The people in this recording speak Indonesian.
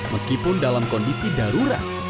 meskipun dalam kondisi darurat